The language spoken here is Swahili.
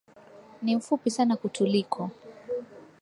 Ni mfupi sana kutuliko